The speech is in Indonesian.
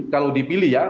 kalau dipilih ya